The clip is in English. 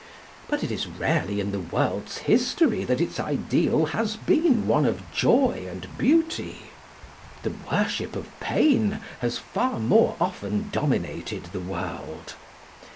But it is rarely in the world's history that its ideal has been one of joy and beauty. The worship of pain has far more often dominated the world.